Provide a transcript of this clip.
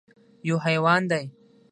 _يو حيوان دی.